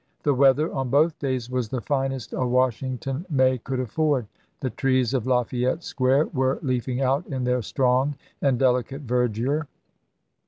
The weather, on both days, was the finest a Washington May could afford; the trees of Lafayette Square were leafing out in their strong and delicate verdure.